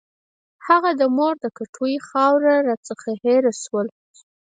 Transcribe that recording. هغه د مور د کټوۍ ورخاړي راڅخه هېر شول.